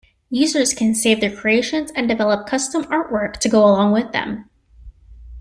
Users can save their creations and develop custom artwork to go along with them.